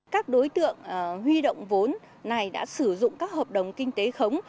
các đối tượng huy động vốn này đã sử dụng các hợp đồng kinh tế khống